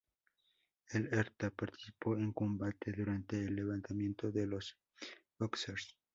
El "Hertha" participó en combate durante el levantamiento de los bóxers.